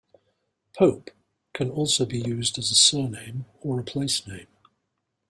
"Pope" can also be used as a surname or a place name.